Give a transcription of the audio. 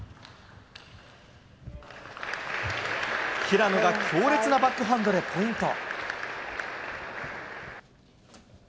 平野が強烈なバックハンドでポイント。